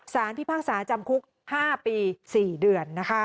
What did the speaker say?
พิพากษาจำคุก๕ปี๔เดือน